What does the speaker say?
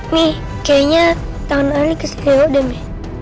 mi kayaknya tangan ali kesini lho deh mi